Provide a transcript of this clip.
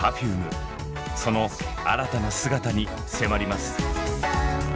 その新たな姿に迫ります。